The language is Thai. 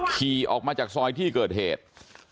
ขี่ออกมาจากซอยที่เกิดเหตุ